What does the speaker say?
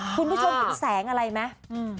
คุณผู้ชมเห็นแสงอะไรไหม